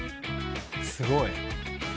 すごい。